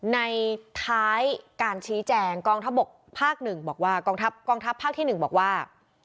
ในท้ายการชี้แจงกองทัพภาคที่๑บอกว่า